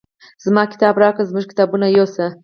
زما کتاب راکړه زموږ کتابونه یوسه.